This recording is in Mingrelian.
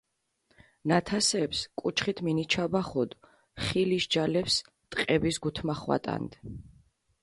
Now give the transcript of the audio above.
ნათასეფს კუჩხით მინიჩაბახუდჷ, ხილიშ ჯალეფს ტყების გუთმახვატანდჷ.